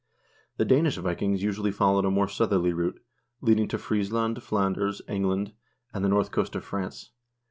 The Danish Vikings usually followed a more southerly route, leading to Friesland, Flanders, England, and the north coast of France.